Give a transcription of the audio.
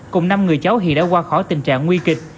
cùng năm người cháu hiện đã qua khỏi tình trạng nguy kịch